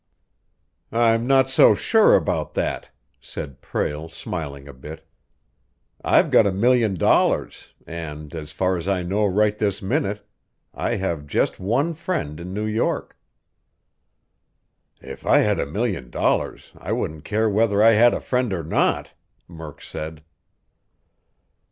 "I'm not so sure about that," said Prale, smiling a bit. "I've got a million dollars, and, as far as I know right this minute, I have just one friend in New York." "If I had a million dollars I wouldn't care whether I had a friend or not," Murk said.